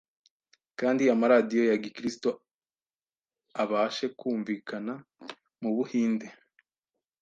kandi amaradiyo ya gikristo abashe kumvikana mu buhinde.